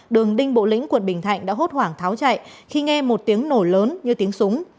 đường đinh bộ lĩnh quận bình thạnh đã hốt hoảng tháo chạy khi nghe một tiếng nổ lớn như tiếng súng